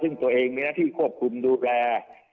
ซึ่งตัวเองมีหน้าที่ควบคุมดูแล